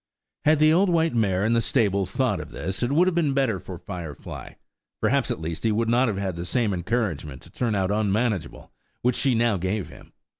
Had the old white mare in the stable thought of this, it would have been better for Firefly–perhaps, at least, he would not have had the same encouragement to turn out unmanageable which she now gave him.